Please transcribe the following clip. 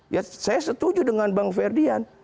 ya saya setuju dengan bang ferdian